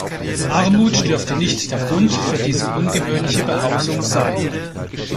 Armut dürfte nicht der Grund für diese ungewöhnliche Behausung sein.